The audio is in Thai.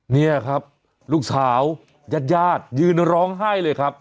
นี่ครับลูกสาวญาติญาติยืนร้องไห้เลยครับ